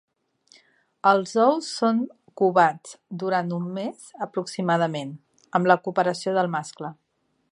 Els ous són covats durant un més aproximadament, amb la cooperació del mascle.